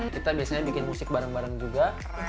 kita biasanya bikin musik bareng bareng juga